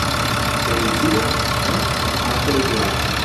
te recibo, ¿ eh? alto y claro.